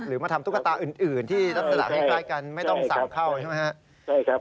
หรือมาทำตุ๊กตาอื่นที่รับสละให้ใกล้กันไม่ต้องสาวเข้าใช่ไหมครับ